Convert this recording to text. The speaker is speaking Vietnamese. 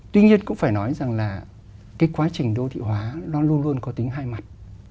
tuy nhiên cũng phải nói rằng là cái quá trình đô thị hóa nó luôn luôn có tính hai mặt